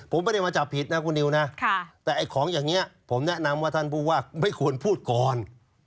ผมไม่ได้มาจับผิดนะคุณนิวนะแต่ไอ้ของอย่างนี้ผมแนะนำว่าท่านผู้ว่าไม่ควรพูดก่อน